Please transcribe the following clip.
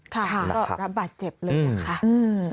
ค่ะก็ระบาดเจ็บเลยนะครับ